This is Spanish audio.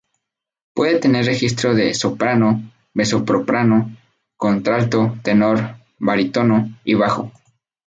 Puede tener registro de soprano, mezzosoprano, contralto, tenor, barítono o bajo.